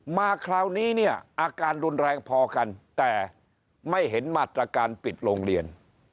มาคราวนี้เนี่ยอาการรุนแรงพอกันแต่ไม่เห็นมาตรการปิดโรงเรียน